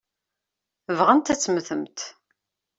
Bɣant ad temmtemt.